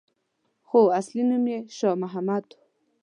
خو اصلي نوم یې شا محمد وو.